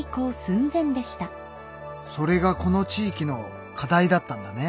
それがこの地域の課題だったんだね。